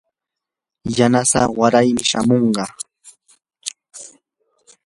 yanasaa waraymi shamunqa.